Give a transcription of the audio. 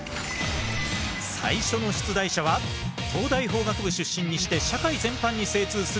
最初の出題者は東大法学部出身にして社会全般に精通する男